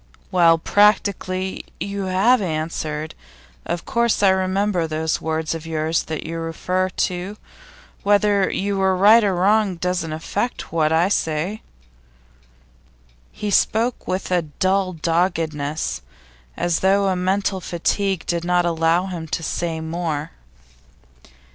'Well, practically you have answered. Of course I remember those words of yours that you refer to. Whether you were right or wrong doesn't affect what I say.' He spoke with a dull doggedness, as though mental fatigue did not allow him to say more.